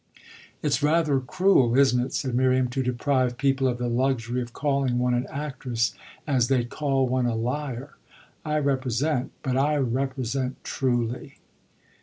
"It's rather cruel, isn't it," said Miriam, "to deprive people of the luxury of calling one an actress as they'd call one a liar? I represent, but I represent truly."